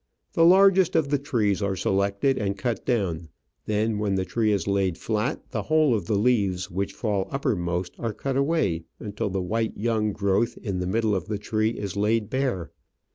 The largest of the trees are selected and cut down ; then, when the tree is laid flat, the whole of the leaves which fall uppermost are cut away until the white young growth in the middle of the tree is laid bare.